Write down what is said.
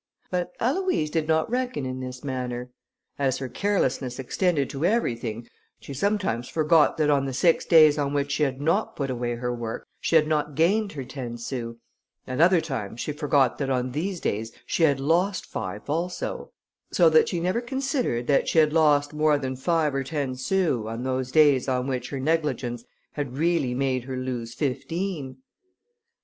But Aloïse did not reckon in this manner. As her carelessness extended to everything, she sometimes forgot that on the six days on which she had not put away her work, she had not gained her ten sous; at other times she forgot that on these days she had lost five also, so that she never considered that she had lost more than five or ten sous, on those days on which her negligence had really made her lose fifteen.